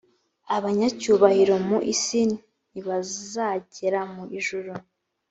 abanyacyubahiro mu isi ntibazagera mu ijuru